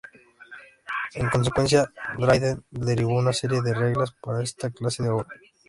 En consecuencia, Dryden derivó una serie de reglas para esta clase de obra.